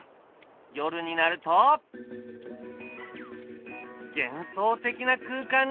夜になると幻想的な空間に！